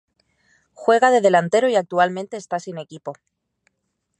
Juega de delantero y actualmente está sin equipo.